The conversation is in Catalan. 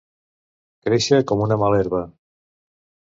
Créixer com una mala herba.